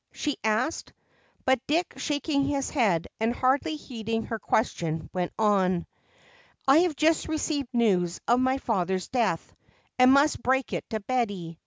she asked, but Dick, shaking his head and hardly heeding her question, went on: "I have just received news of my father's death and must break it to Betty.